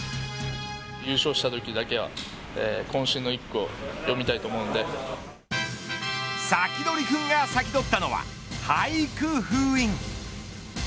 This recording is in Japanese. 優勝したときはこん身の１句をサキドリくんが先取ったのは俳句封印。